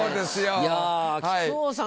いや木久扇さん